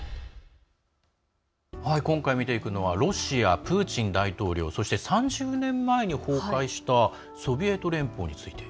今回見ていくのはロシアプーチン大統領そして３０年前に崩壊したソビエト連邦について。